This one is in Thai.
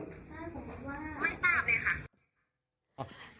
ไม่รู้จักเลยค่ะ